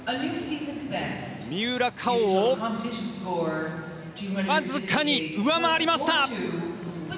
三浦佳生をわずかに上回りました！